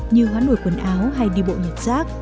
như hoán nổi quần áo hay đi bộ nhặt rác